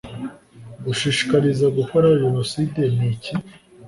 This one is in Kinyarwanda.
gushishikariza gukora jenoside ni iki?